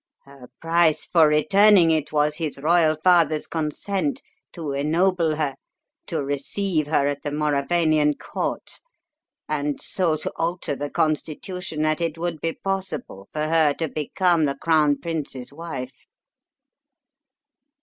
Her price for returning it was his royal father's consent to ennoble her, to receive her at the Mauravanian Court, and so to alter the constitution that it would be possible for her to become the crown prince's wife."